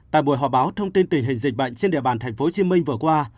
tại buổi họp báo thông tin tình hình dịch bệnh trên địa bàn tp hcm vừa qua